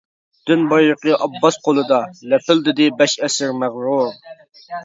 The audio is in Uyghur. دىن بايرىقى ئابباس قولىدا، لەپىلدىدى بەش ئەسىر مەغرۇر.